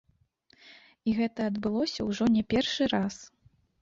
І гэта адбылося ўжо не першы раз.